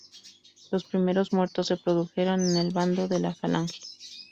Los primeros muertos se produjeron en el bando de la Falange.